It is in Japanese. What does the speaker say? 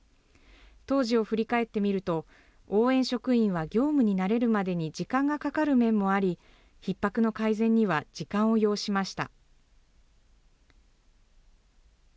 当時を振り返ってみると、応援職員は業務に慣れるまでに時間がかかる面もあり、ひっ迫の改善には時間を要しました。